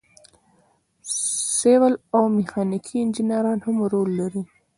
سیول او میخانیکي انجینران هم رول لري.